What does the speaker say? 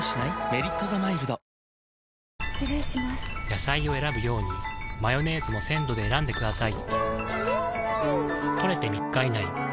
野菜を選ぶようにマヨネーズも鮮度で選んでくださいん！